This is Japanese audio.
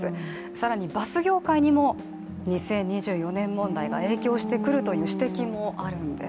更に、バス業界にも２０２４年問題が影響してくるという指摘もあるんです。